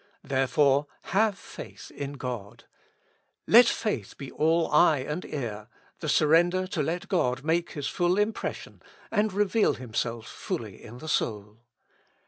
Therefore, Have FAITH IN God: let faith be all eye and ear, the surrender to let God make His full impression, and reveal Himself fully in the soul.